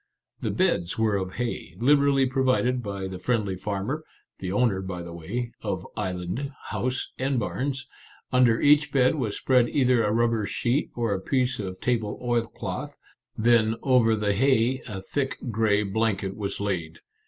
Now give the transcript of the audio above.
The beds were of hay, liberally provided by the friendly farmer, — the owner, by the way, Our Little Canadian Cousin 53 of island, house, and barns. Under each bed was spread either a rubber sheet or a piece of table oilcloth, then over the hay a thick gray blanket was laid.